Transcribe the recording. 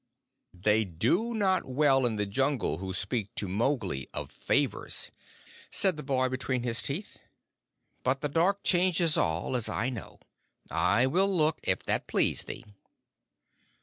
"They do not well in the Jungle who speak to Mowgli of favors," said the boy, between his teeth; "but the dark changes all, as I know. I will look, if that please thee."